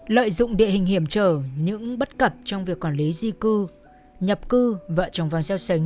lợi dụng địa hình hiểm trở những bất cập trong việc quản lý di cư nhập cư vợ chồng vàng xeo xánh